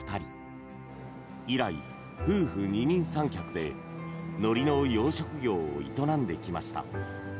以来、夫婦二人三脚でのりの養殖業を営んできました。